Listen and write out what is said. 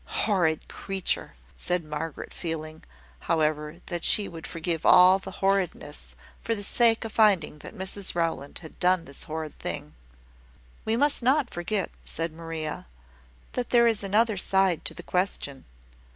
"Horrid creature!" said Margaret, feeling, however, that she would forgive all the horridness for the sake of finding that Mrs Rowland had done this horrid thing. "We must not forget," said Maria, "that there is another side to the question.